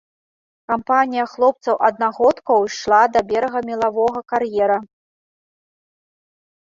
Кампанія хлопцаў-аднагодкаў ішла да берага мелавога кар'ера.